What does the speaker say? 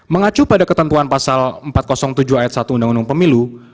mengacu pada ketentuan pasal empat ratus tujuh ayat satu undang undang pemilu